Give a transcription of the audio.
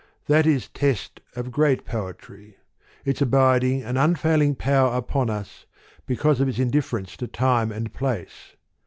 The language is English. That is test of great poetry : its abiding and un failing power upon us, because of its indif ference to time and place.